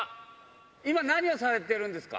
今、何をされてるんですか？